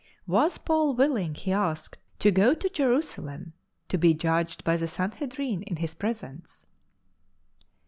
Was Paul willing, he asked, to go to Jerusa lem to be judged by the Sanhedrin in his presence